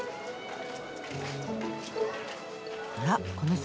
あらこの先